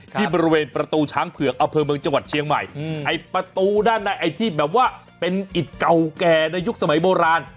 ที่บริเวณประตูช้างเผือกอำเภอเมืองจังหวัดเชียงใหม่ไอ้ประตูด้านในไอ้ที่แบบว่าเป็นอิดเก่าแก่ในยุคสมัยโบราณ